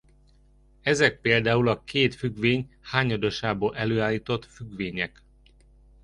Ezek például a két függvény hányadosából előállított függvények.